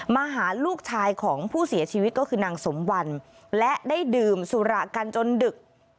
มาหาลูกชายของผู้เสียชีวิตก็คือนางสมวันและได้ดื่มสุระกันจนดึก